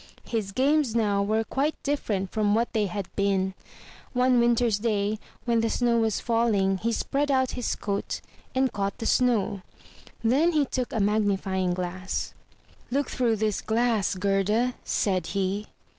His games now were quite different from what they had been. One winter's day, when the snow was falling, he spread out his coat, and caught the snow. Then he took a magnifying glass. "Look through this glass, Gerda,*' said he.